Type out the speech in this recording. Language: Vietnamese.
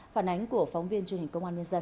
phản ánh của phóng viên truyền hình công an nhân dân